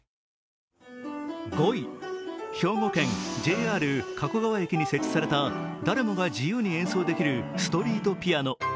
５位、兵庫県・ＪＲ加古川駅に設置された誰もが自由に演奏できるストリートピアノ。